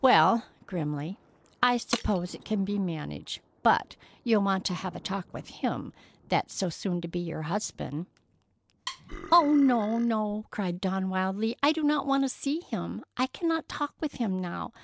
"Well"—grimly—"I suppose it can be managed, but you'll want to have a talk with him that's so soon to be your husband——" "Oh, no, no!" cried Dawn wildly. "I do not want to see him. I cannot talk with him now.